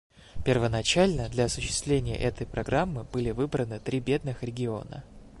Первоначально для осуществления этой программы были выбраны три бедных района.